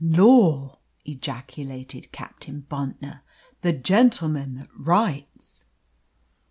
'" "Lor!" ejaculated Captain Bontnor, "the gentleman that writes."